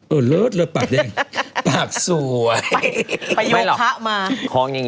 เออเล็ดเลยปากแดงปากสวย